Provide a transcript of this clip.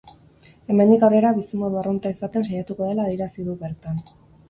Hemendik aurrera bizimodu arrunta izaten saiatuko dela adierazi du bertan.